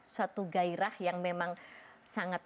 suatu gairah yang memang sangat